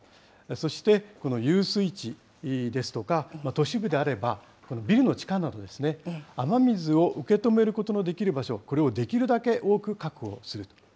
そしてこの遊水地ですとか、都市部であれば、ビルの地下などですね、雨水を受け止めることのできる場所、これをできるだけ多く確保する。